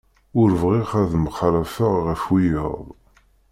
Ur bɣiɣ ad mxalafeɣ ɣef wiyaḍ.